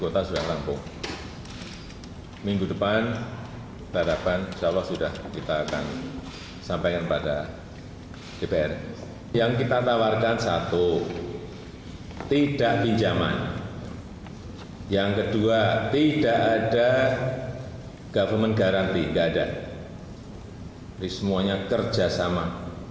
tidak pinjaman yang kedua tidak ada government guarantee tidak ada jadi semuanya kerjasama